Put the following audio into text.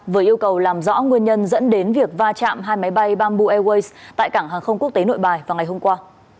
vừa yêu cầu làm rõ nguyên nhân dẫn đến việc va chạm hai máy bay bamboo airways tại cảng hàng không quốc tế nội bài vào ngày hôm qua